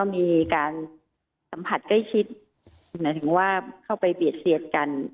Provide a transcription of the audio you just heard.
มีการสัมผัสใกล้ชิดหมายถึงว่าเข้าไปเบียดเสียดกัน